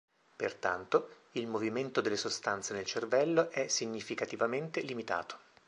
Pertanto, il movimento delle sostanze nel cervello è significativamente limitato.